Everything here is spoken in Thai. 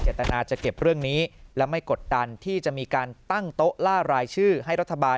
ตนาจะเก็บเรื่องนี้และไม่กดดันที่จะมีการตั้งโต๊ะล่ารายชื่อให้รัฐบาล